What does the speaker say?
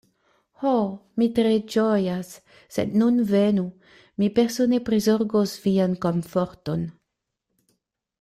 Ho, mi tre ĝojas; sed nun venu, mi persone prizorgos vian komforton.